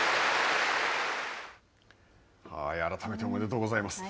改めておめでとうございます。